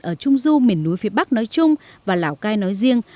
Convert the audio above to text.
ở trung du miền núi phía bắc nói chung và lào cai nói riêng